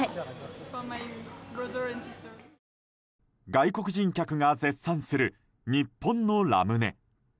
外国人客が絶賛する日本のラムネ。